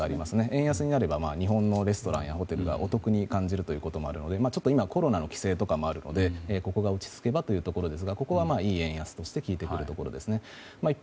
円安になれば日本のレストランやホテルがお得に感じるということがあるので今はコロナですがここが落ち着けばというところですがここはいい円安として効いてくるところですね。